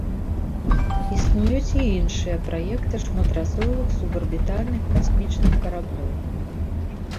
Існуюць і іншыя праекты шматразовых субарбітальных касмічных караблёў.